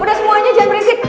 udah semuanya jangan berisik